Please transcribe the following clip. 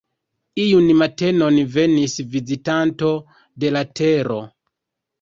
Iun matenon venis vizitanto de la Tero.